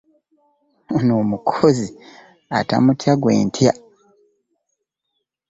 Oyo omukozi atamutya gwe ntya.